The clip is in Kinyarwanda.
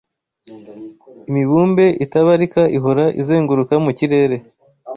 imibumbe itabarika ihora izenguruka mu kirere